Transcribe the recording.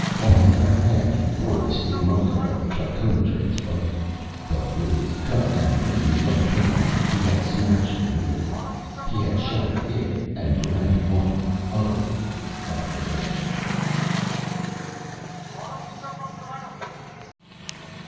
On his left hand he bore the stigmata of the trichomotred's bite. But with his cut and bleeding right hand he had smashed the mirror. He had shattered it and Barrent 1 utterly and forever.